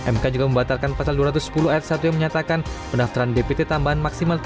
mk juga membatalkan pasal dua ratus sepuluh ayat satu yang menyatakan pendaftaran dpt tambahan maksimal tiga puluh